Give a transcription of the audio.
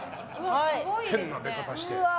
変な出方して。